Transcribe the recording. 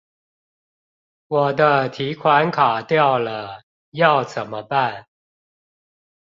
我的提款卡掉了，要怎麼辦?